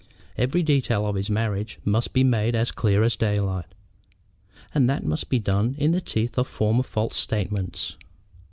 Every detail of his marriage must be made as clear as daylight; and that must be done in the teeth of former false statements."